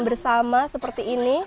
bersama seperti ini